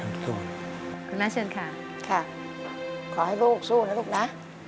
คุณแม่เชิญค่ะค่ะขอให้ลูกสู้นะลูกนะ